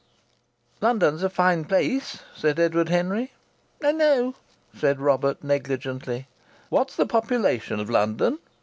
"London's a fine place," said Edward Henry. "I know," said Robert, negligently. "What's the population of London?"